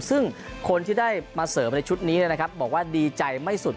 ซึ่งคนที่ได้มาเสริมในชุดนี้นะครับบอกว่าดีใจไม่สุด